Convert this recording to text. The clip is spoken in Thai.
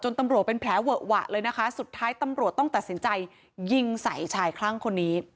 ตำรวจเป็นแผลเวอะหวะเลยนะคะสุดท้ายตำรวจต้องตัดสินใจยิงใส่ชายคลั่งคนนี้